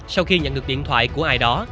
sau khi nhận được điện thoại của ai đó